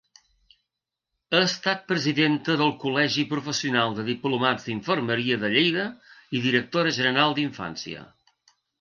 Ha estat presidenta del Col·legi Professional de Diplomats d'Infermeria de Lleida i Directora General d'Infància.